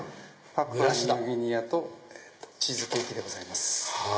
パプアニューギニアとチーズケーキでございます。